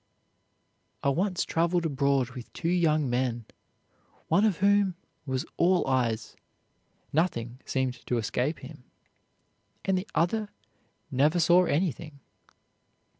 I once traveled abroad with two young men, one of whom was all eyes, nothing seemed to escape him, and the other never saw anything.